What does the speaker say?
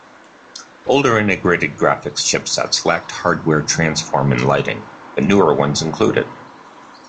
Older integrated graphics chipsets lacked hardware transform and lighting, but newer ones include it.